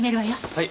はい。